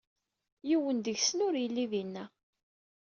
Yiwen deg-sen ur yelli dina.